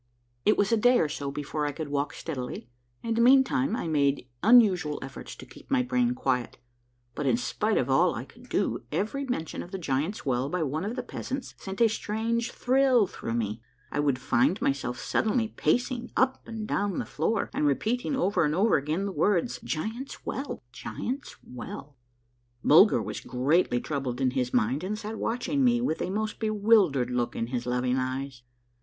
It was a day or so before I could walk steadily, and meantime I made unusual efforts to keep my brain quiet, but in spite of all I could do every mention of the Giants' Well by one of the peasants sent a strange thrill through me, and I would find my self suddenly pacing up and down the floor, and repeating over and over again the words, " Giants' Well ! Giants' Well !" Bulger was greatly troubled in his mind, and sat watching me with a most bewildered look in his loving eyes.